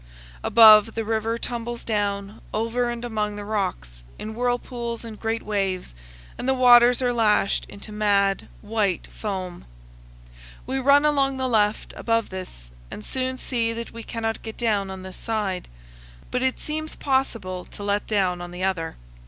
Above, the river tumbles down, over and among the rocks, in whirlpools and great waves, and the waters are lashed into mad, white foam. We run along the left, above this, and soon see that we cannot get down on this side, but it seems possible to let down on the other.